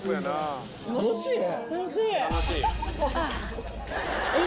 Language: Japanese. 楽しいね。